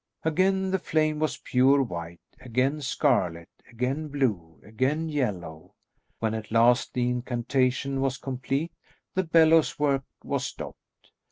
Again the flame was pure white; again scarlet; again blue; again yellow. When at last the incantation was complete, the bellows work was stopped.